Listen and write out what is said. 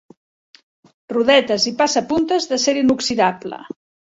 Rodetes i passapuntes d'acer inoxidable.